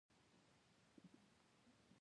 افغانستان د غزني امپراتورۍ مرکز و.